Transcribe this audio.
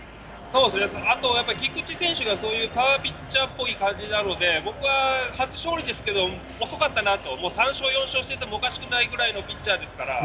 あと、菊池選手がパワーピッチャーぽい感じなので僕は初勝利ですけど、遅かったなと３勝、４勝しててもおかしくないぐらいのピッチャーですから。